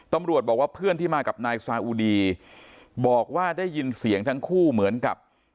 ตำรวจบอกว่าเพื่อนที่มากับนายซาอุดีบอกว่าได้ยินเสียงทั้งคู่เหมือนกับ